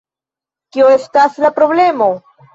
Kio estas la problemo?